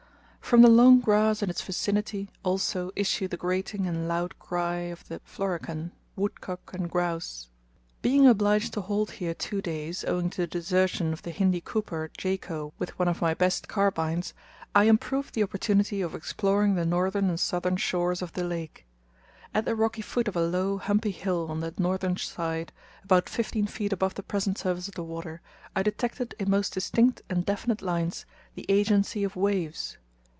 From the long grass in its vicinity also issue the grating and loud cry of the florican, woodcock, and grouse. Being obliged to halt here two days, owing to the desertion of the Hindi cooper Jako with one of my best carbines, I improved the opportunity of exploring the northern and southern shores of the lake. At the rocky foot of a low, humpy hill on the northern side, about fifteen feet above the present surface of the water I detected in most distinct and definite lines the agency of waves.